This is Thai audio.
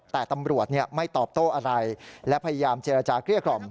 แต่ตำรวจไม่ตอบโต้อะไรและพยายามเจรจาเกลี้ยกล่อม